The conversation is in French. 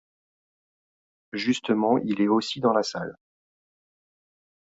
Justement, il est aussi dans la salle.